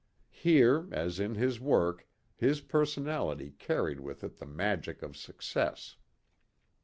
Here, as in his work, his personality carried with it the magic of success.